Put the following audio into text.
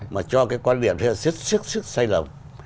mà cho cái quan điểm thế là sức sức sai lầm